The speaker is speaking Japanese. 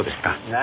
何？